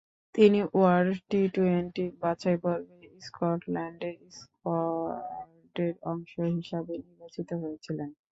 তিনি world T twenty বাছাইপর্বে স্কটল্যান্ডের স্কোয়াডের অংশ হিসাবে নির্বাচিত হয়েছিলেন।